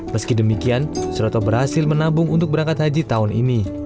meski demikian suroto berhasil menabung untuk berangkat haji tahun ini